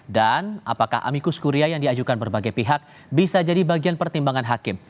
dan apakah amikus kuria yang diajukan berbagai pihak bisa jadi bagian pertimbangan hakim